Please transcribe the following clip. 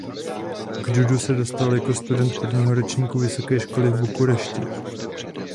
K judu se dostal jako student prvního ročníku vysoké školy v Bukurešti.